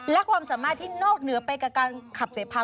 และความสามารถที่นอกเหนือไปกับการขับเสพา